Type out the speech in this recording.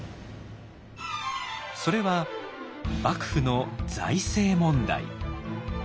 それは幕府の財政問題。